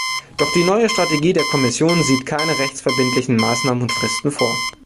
Doch die neue Strategie der Kommission sieht keine rechtsverbindlichen Maßnahmen und Fristen vor.